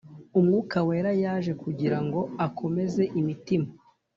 Umwuka wera yaje kugira ngo akomeze imitima